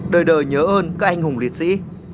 đời đời nhớ ơn các anh hùng liệt sĩ